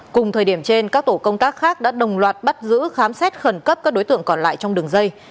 cùng thời điểm trên các tổ công tác khác đã đồng loạt bắt giữ khám xét khẩn cấp các đối tượng còn lại trong đường dây